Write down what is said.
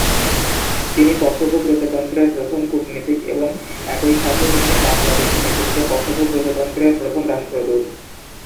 তিনি কসোভো প্রজাতন্ত্রের প্রথম কূটনীতিক এবং একই সাথে তিনি বাংলাদেশে নিযুক্ত কসোভো প্রজাতন্ত্রের প্রথম রাষ্ট্রদূত।